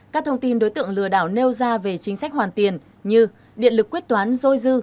các thông tin đối tượng lừa đảo nêu ra về chính sách hoàn tiền như điện lực quyết toán dôi dư